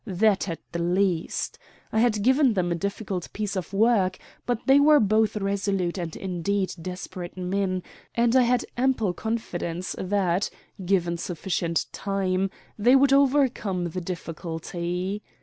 That at the least. I had given them a difficult piece of work, but they were both resolute and indeed desperate men, and I had ample confidence that, given sufficient time, they would overcome the difficulty.